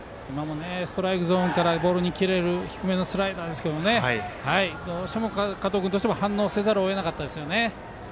ストライクゾーンからボールに切れる低めのスライダーですけどどうしても加藤君としても反応せざるをえなかったですね。